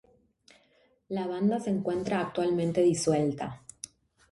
La banda se encuentra actualmente disuelta.